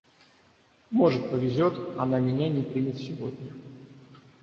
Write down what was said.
Может повезет, она меня не примет сегодня.